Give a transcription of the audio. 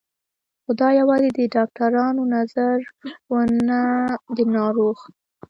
خو دا یوازې د ډاکترانو نظر و نه د ناروغ